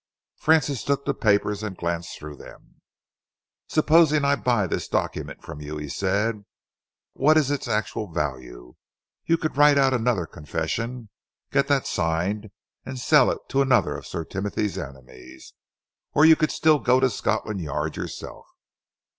Francis took the papers and glanced them through. "Supposing I buy this document from you," he said, "what is its actual value? You could write out another confession, get that signed, and sell it to another of Sir Timothy's enemies, or you could still go to Scotland Yard yourself."